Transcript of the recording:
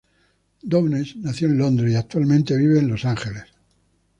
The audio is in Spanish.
Downes nació en Londres y actualmente vive en Los Ángeles.